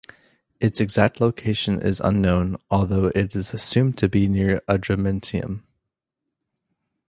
Its exact location is unknown although it is assumed to be near Adramyttium.